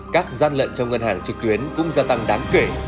các gian lận trong ngân hàng trực tuyến cũng gia tăng đáng kể